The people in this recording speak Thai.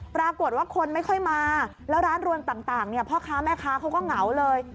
ปรากฏว่าคนไม่ค่อยมาแล้วร้านรวนต่างพ่อค้าแม่ค้าเขาก็เหงาเลย